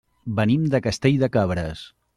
Venim de Castell de Cabres.